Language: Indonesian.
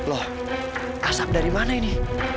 loh asap dari mana ini